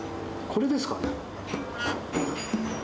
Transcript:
これですかね。